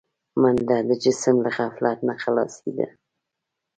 منډه د جسم له غفلت نه خلاصي ده